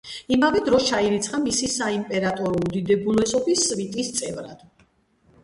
იმავე დროს ჩაირიცხა მისი საიმპერატორო უდიდებულესობის სვიტის წევრად.